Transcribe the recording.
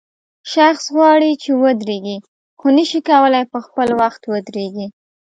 شخص غواړي چې ودرېږي خو نشي کولای په خپل وخت ودرېږي.